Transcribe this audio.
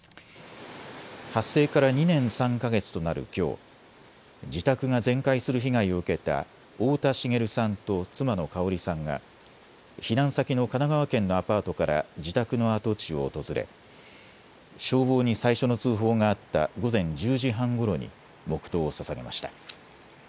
発生から２年３か月となるきょう、自宅が全壊する被害を受けた太田滋さんと妻のかおりさんが避難先の神奈川県のアパートから自宅の跡地を訪れ消防に最初の通報があった午前１０時半ごろに黙とうをささげました。